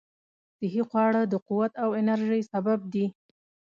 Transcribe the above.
صحي خواړه د قوت او انرژۍ سبب دي.